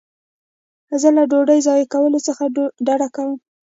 زه له ډوډۍ ضایع کولو څخه ډډه کوم.